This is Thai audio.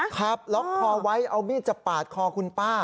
ครับล็อกคอไว้เอามีดจะปาดคอคุณป้า